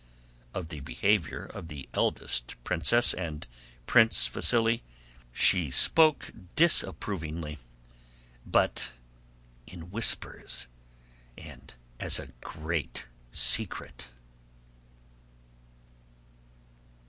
Of the behavior of the eldest princess and Prince Vasíli she spoke disapprovingly, but in whispers and as a great secret.